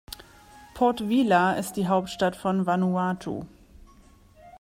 Port Vila ist die Hauptstadt von Vanuatu.